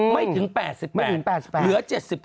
ไม่ถึง๘๐เหลือ๗๙